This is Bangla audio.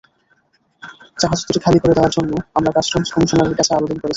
জাহাজ দুটি খালি করে দেওয়ার জন্য আমরা কাস্টমস কমিশনারের কাছে আবেদন করেছি।